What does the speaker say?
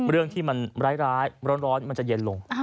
เรื่องที่มันร้ายร้อนมันจะเย็นลง